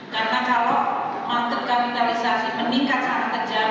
karena kalau marka kapitalisasi meningkat sangat tejam